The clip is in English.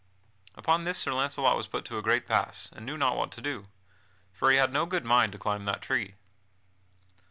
Upon this Sir Launcelot was put to a great pass and knew not what to do, for he had no good mind to climb that tree.